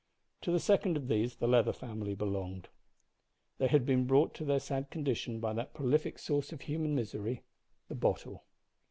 To the second of these the Leather family belonged. They had been brought to their sad condition by that prolific source of human misery the bottle.